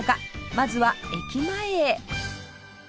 まずは駅前へ